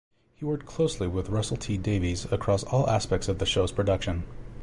He worked closely with Russell T Davies across all aspects of the show's production.